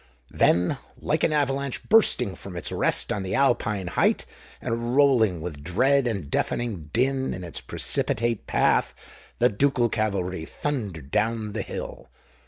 Then, like an avalanche bursting from its rest on the Alpine height, and rolling with dread and deafening din in its precipitate path, the ducal cavalry thundered down the hill.